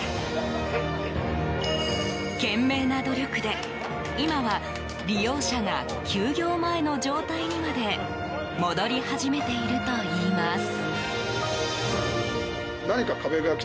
懸命な努力で、今は利用者が休業前の状態にまで戻り始めているといいます。